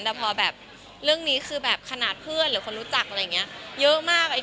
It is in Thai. แต่พอแบบเรื่องนี้คือแบบขนาดเพื่อนหรือคนรู้จักอะไรอย่างนี้เยอะมาก